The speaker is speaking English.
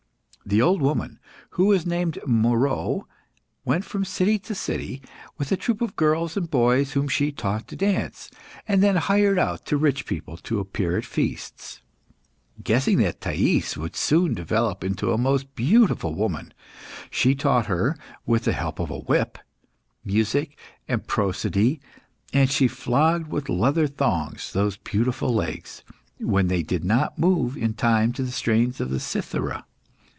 The old woman, who was named Moeroe, went from city to city with a troupe of girls and boys, whom she taught to dance, and then hired out to rich people to appear at feasts. Guessing that Thais would soon develop into a most beautiful woman, she taught her with the help of a whip music and prosody, and she flogged with leather thongs those beautiful legs, when they did not move in time to the strains of the cithara.